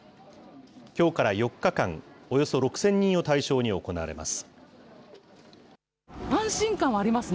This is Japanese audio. きょうから４日間、およそ６０００人を対象に行われます。